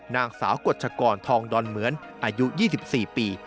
นางสาวกฎชกรทองดอนเหมือนอายุ๒๔ปี